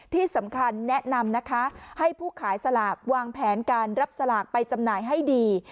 ที่สำคัญแนะนำนะคะให้ผู้ขายสลากวางแผนการรับสลากไปจำหน่ายให้ดี